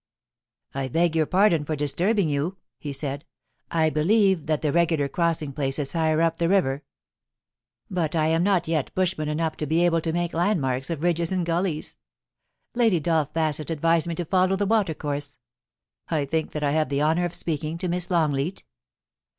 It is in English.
* I beg your pardon for disturbing you,' he said. ^ I believe that the regular crossing place is higher up the river, but I am not yet bushman enough to be able to make landmarks of ridges and gullies. Lady Dolph Bassett advised me to follow the water course. I think that I have the honour of speaking to Miss Longleat